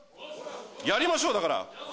やりましょう、だから。